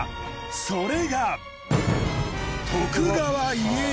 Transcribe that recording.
それが。